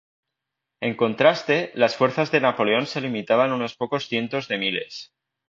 En contraste, las fuerzas de Napoleón se limitaban a unos pocos cientos de miles.